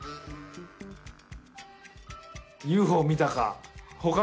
ＵＦＯ見たか。